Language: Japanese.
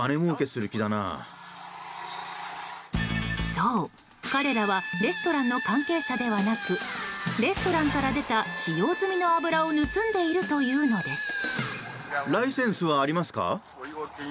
そう、彼らはレストランの関係者ではなくレストランから出た使用済みの油を盗んでいるというのです。